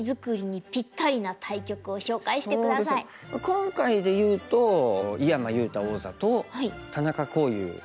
今回で言うと井山裕太王座と田中康湧四段かな。